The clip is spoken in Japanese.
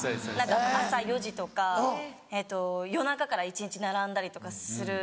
朝４時とか夜中から一日並んだりとかするやつ。